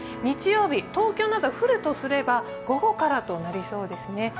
日曜日、東京など降るとすれば午後からとなりそうですね。